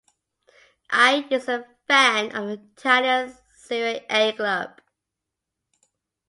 Aide is a fan of the Italian Serie A club.